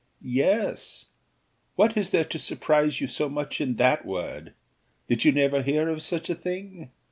"Yes; what is there to surprise you so much in that word? did you never hear of such a thing?